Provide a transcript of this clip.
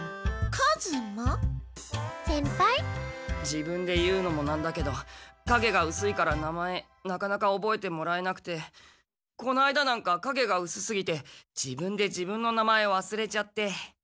自分で言うのもなんだけどかげがうすいから名前なかなかおぼえてもらえなくてこの間なんかかげがうすすぎて自分で自分の名前わすれちゃって。